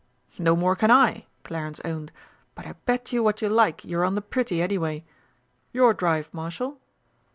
"No more can I," Clarence owned, "but I bet you what you like you're on the pretty, anyway. Your drive, Marshal."